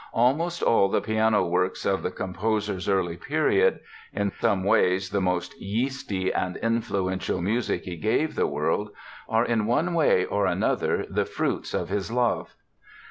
Almost all the piano works of the composer's early period—in some ways the most yeasty and influential music he gave the world—are in one way or another the fruits of his love.